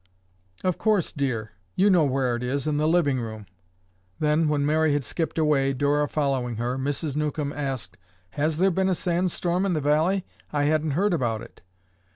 "Of course, dear. You know where it is, in the living room." Then, when Mary had skipped away, Dora following her, Mrs. Newcomb asked, "Has there been a sand storm in the valley? I hadn't heard about it."